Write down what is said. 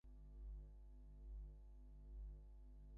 তবে কখনো কখনো অন্য কোনো উপসর্গ ছাড়াই, শুধু বমি বমি ভাব থাকতে পারে।